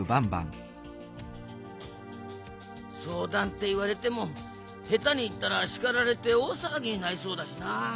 そうだんっていわれてもへたにいったらしかられておおさわぎになりそうだしな。